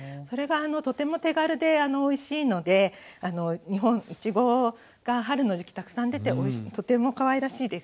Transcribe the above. それがとても手軽でおいしいので日本いちごが春の時期たくさん出てとてもかわいらしいですよね。